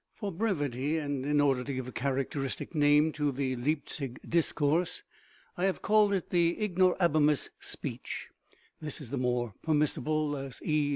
For brevity, and in order to give a characteristic name to the Leipzig discourse, I have called it the " Ig norabimus speech "; this is the more permissible, as E.